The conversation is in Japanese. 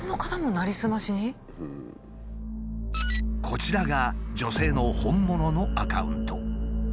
こちらが女性の本物のアカウント。